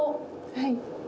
はい。